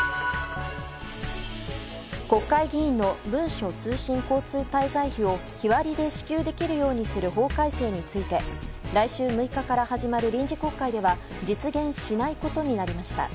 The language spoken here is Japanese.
国会議員の文書通信交通滞在費を日割りで支給できるようにする法改正について来週６日から始まる臨時国会では実現しないことになりました。